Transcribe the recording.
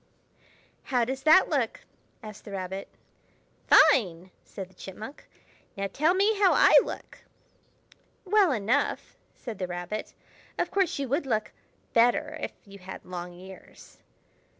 "How does that look?" asked the Rabbit. "Fine!" said the Chipmunk. "Now tell me how I look!" "Well enough!" said the Rabbit. "Of course, you would look better if you had long ears."